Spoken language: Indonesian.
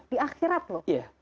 di akhirat loh